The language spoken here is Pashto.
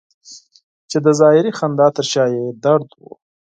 چې د ظاهري خندا تر شا یې درد و.